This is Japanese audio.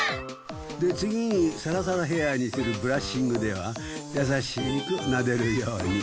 で次にサラサラヘアにするブラッシングではやさしくなでるように。